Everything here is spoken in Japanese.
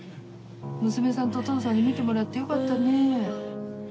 娘さんとお父さんにみてもらってよかったね。